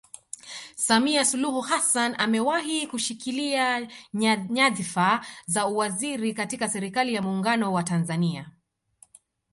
Samia Suluhu Hassan amewahi kushikilia nyadhifa za uwaziri katika serikali ya Muungano wa Tanzania